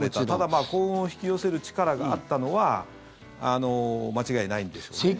ただ幸運を引き寄せる力があったのは間違いないんですけどね。